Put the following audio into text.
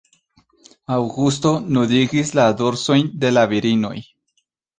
Aŭgusto nudigis la dorsojn de la virinoj.